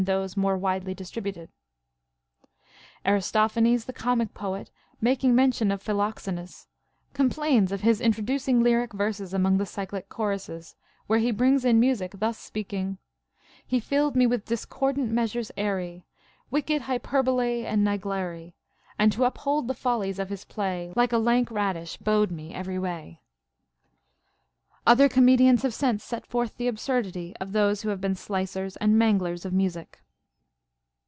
CONCERNING MUSICi 125 Aristophanes the comic poet, making mention of Phi loxenus, complains of his introducing lyric verses among the cyclic choruses, where he brings in Music thus speaking :— He filled me with discordant measures airy, Wicked Ilyperbolaei and Niglari ; And to uphold the follies of his play, Like a lank radish bowed me every way. Other comedians have since set forth the absurdity of those who have been slicers and manglers of music.